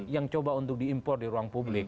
yang coba untuk diimpor di ruang publik